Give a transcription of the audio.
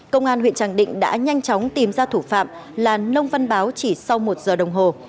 công an huyện tràng định đã nhanh chóng tìm ra thủ phạm là nông văn báo chỉ sau một giờ đồng hồ